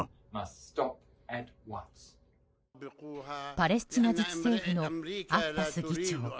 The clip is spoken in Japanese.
パレスチナ自治政府のアッバス議長。